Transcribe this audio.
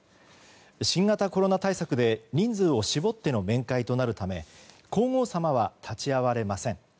新型コロナ対策で人数を絞っての面会となるため皇后さまは立ち会われません。